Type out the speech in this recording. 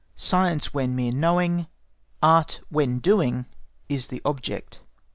SCIENCE WHEN MERE KNOWING; ART, WHEN DOING, IS THE OBJECT.)